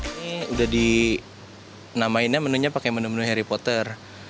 ini udah dinamainnya menunya pakai menu menu harry potter